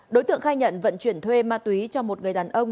đối tượng khai nhận vận chuyển thuê ma túy cho một người đàn ông